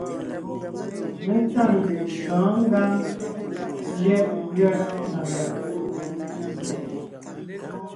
Mé tâŋ sɔ̌ɔn ngǎŋ lyɛ̌ʼ pʉ́a na ngàb;